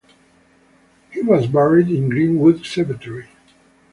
He was buried in Green-Wood Cemetery.